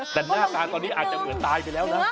แต่หน้าตาตอนนี้อาจจะเหมือนตายไปแล้วนะ